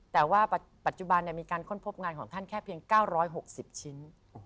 แต่ว่าปัจจุบันมีการค้นพบงานของท่านแค่เพียง๙๖๐ชิ้น